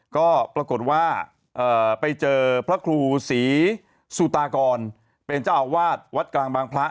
ก็ปรากฏว่าไปเจอพระครูศรีสุตากรเป็นเจ้าอาวาสวัดกลางบางพระ